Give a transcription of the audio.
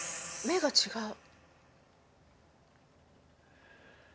「目が違う」